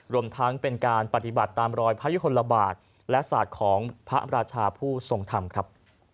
รวมทั้งเป็นการปฏิบัติตามรอยพระยุคลบาทและศาสตร์ของพระราชาผู้ทรงธรรมครับ